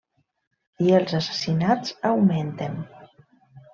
I els assassinats augmenten.